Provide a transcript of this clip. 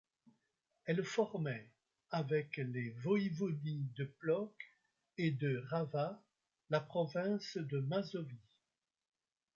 Elle formait, avec les voïvodies de Płock et de Rawa, la province de Mazovie.